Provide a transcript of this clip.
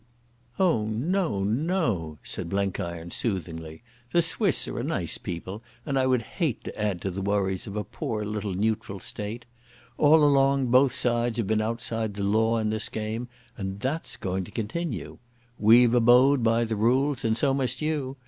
"Oh, no, no," said Blenkiron soothingly. "The Swiss are a nice people, and I would hate to add to the worries of a poor little neutral state.... All along both sides have been outside the law in this game, and that's going to continue. We've abode by the rules and so must you....